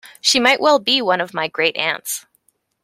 She might well be one of my great aunts.